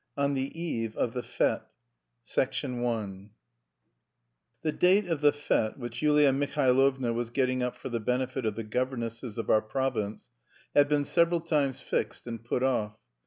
ON THE EVE OF THE FETE I The date of the fête which Yulia Mihailovna was getting up for the benefit of the governesses of our province had been several times fixed and put off.